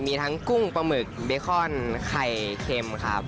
มีทั้งกุ้งปลาหมึกเบคอนไข่เค็มครับ